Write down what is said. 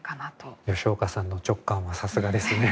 吉岡さんの直感はさすがですね。